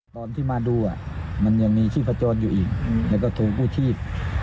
ตอนที่มาดูมันยังมีชีพจรอยู่อีกแล้วก็โทรกู้ชีพ